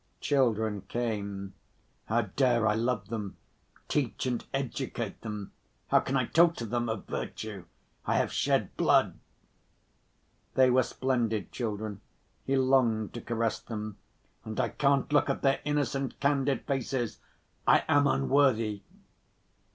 Children came. "How dare I love them, teach and educate them, how can I talk to them of virtue? I have shed blood." They were splendid children, he longed to caress them; "and I can't look at their innocent candid faces, I am unworthy."